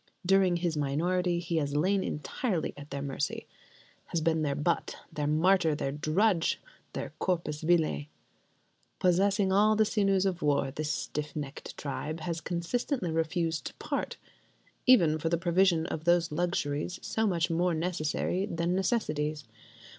During his minority he has lain entirely at their mercy: has been their butt, their martyr, their drudge, their corpus vile. Possessing all the sinews of war, this stiff necked tribe has consistently refused to "part": even for the provision of those luxuries so much more necessary than necessities.